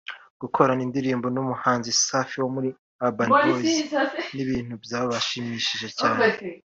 gukorana indirimbo n’umuhanzi Safi wo muri Urban Boys ni ibintu byabashimishije cyane